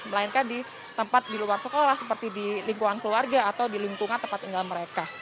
melainkan di tempat di luar sekolah seperti di lingkungan keluarga atau di lingkungan tempat tinggal mereka